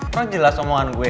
kan jelas omongan gue